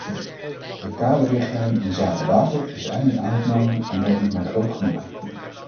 De kaderrichtlijn inzake water is eindelijk aangenomen en dat doet mij groot genoegen.